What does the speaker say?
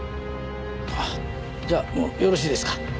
あっじゃあもうよろしいですか？